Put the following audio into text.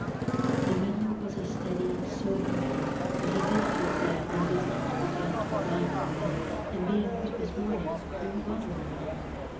The miller was a steady, sober man, but he did feel glad when visitors began to arrive at the mill, and being Christmas morning, bring a bottle with them.